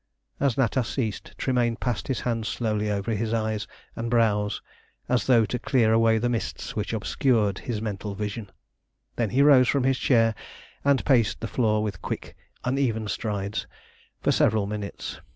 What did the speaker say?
As Natas ceased, Tremayne passed his hand slowly over his eyes and brows, as though to clear away the mists which obscured his mental vision. Then he rose from his chair, and paced the floor with quick, uneven strides for several minutes.